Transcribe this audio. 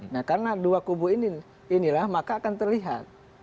nah karena dua kubu ini inilah maka akan terlihat